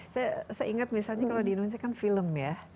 saya ingat misalnya kalau di indonesia kan film ya